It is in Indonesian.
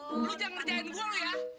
lu jangan ngerjain gua ya